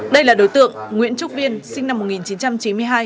đây là đối tượng nguyễn trúc viên sinh năm một nghìn chín trăm chín mươi hai